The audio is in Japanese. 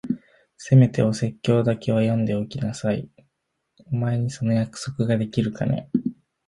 せめてお説教だけは読んでおきなさい。お前にその約束ができるかね？